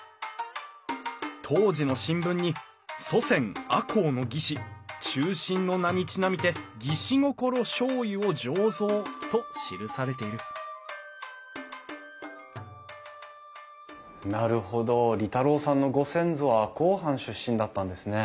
当時の新聞に「祖先赤穂の義士忠臣の名に因みて『義士心』醤油を醸造」と記されているなるほど利太郎さんのご先祖は赤穂藩出身だったんですね。